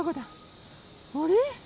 あれ？